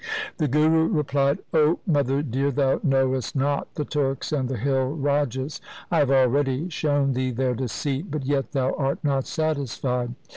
The Guru replied, ' O mother dear, thou knowest not the Turks and the hill rajas. I have already shown thee their deceit, but yet thou art not satisfied.